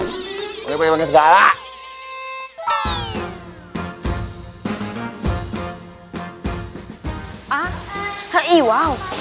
gue pegang segala